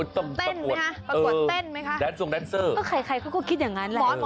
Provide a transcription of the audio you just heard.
เต้นหน่อยค่อยคิดกัน